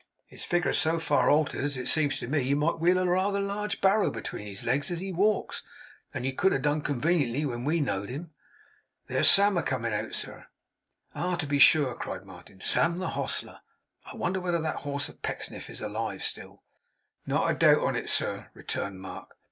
His figure's so far altered, as it seems to me, that you might wheel a rather larger barrow between his legs as he walks, than you could have done conveniently when we know'd him. There's Sam a coming out, sir.' 'Ah, to be sure!' cried Martin; 'Sam, the hostler. I wonder whether that horse of Pecksniff's is alive still?' 'Not a doubt on it, sir,' returned Mark.